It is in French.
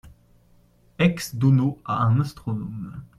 Ex Dono à un astronome.